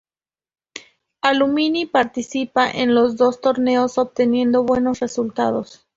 Alumni participa en los dos torneos obteniendo buenos resultados.